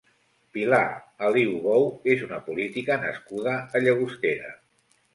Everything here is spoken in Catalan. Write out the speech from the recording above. Pilar Aliu Bou és una política nascuda a Llagostera.